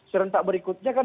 serentak berikutnya kan